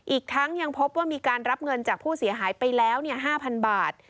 อีกทั้งยังพบว่ามีการรับเงินจากผู้เสียหายไปแล้ว๕๐๐๐บาท